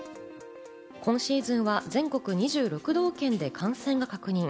今シーズンは全国２６道県で感染が確認。